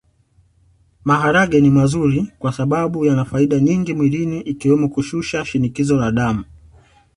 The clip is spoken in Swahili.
Maharage ni mazuri kwasababu yana faida nyingi mwilini ikiwemo kushusha shinikizo la damu